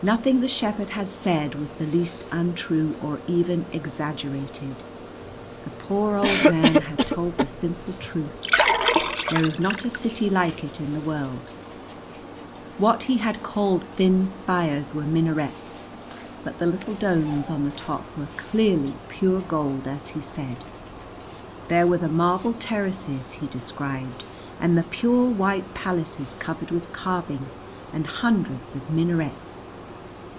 Nothing the shepherd had said was the least untrue or even exaggerated. The poor old man had told the simple truth, there is not a city like it in the world. What he had called thin spires were minarets, but the little domes on the top were clearly pure gold as he said. There were the marble terraces he described and the pure white palaces covered with carving and hundreds of minarets.